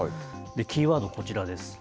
キーワード、こちらです。